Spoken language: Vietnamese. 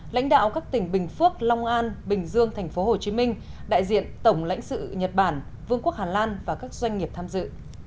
lãnh đạo các tỉnh bình phước long an bình dương tp hcm đại diện tổng lãnh sự nhật bản vương quốc hà lan và các doanh nghiệp tham dự